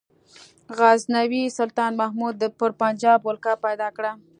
غزنوي سلطان محمود پر پنجاب ولکه پیدا کړه.